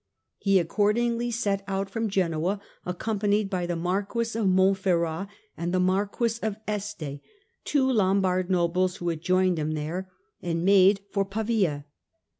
He accord ingly set out from Genoa, accompanied by the Marquis of Montferrat and the Marquis of Este, two Lombard nobles who had joined him there, and made for Pavia.